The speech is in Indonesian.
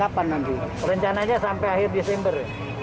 tanah anggaran ya sampai akhir desember